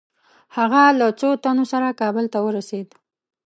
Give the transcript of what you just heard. هغه له څو تنو سره کابل ته ورسېد.